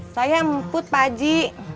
saya emput paji